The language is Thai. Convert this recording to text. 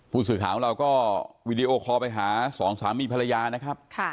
ผู้สื่อข่าวของเราก็วีดีโอคอลไปหาสองสามีภรรยานะครับ